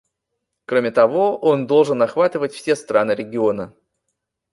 Кроме того, он должен охватывать все страны региона.